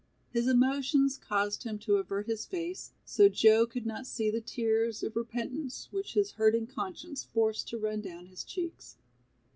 His emotions caused him to avert his face so Joe could not see the tears of repentance which his hurting conscience forced to run down his cheeks.